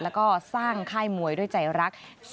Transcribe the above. แล้วก็สร้างค่ายมวยด้วยใจรัก